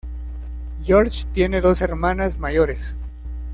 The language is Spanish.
George tiene dos hermanas mayores.